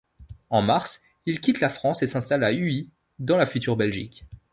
En mars il quitte la France et s'installe à Huy, dans la future Belgique.